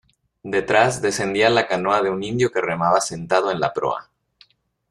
detrás, descendía la canoa de un indio que remaba sentado en la proa.